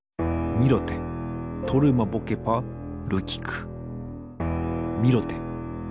ミロテトルマボケパルキク。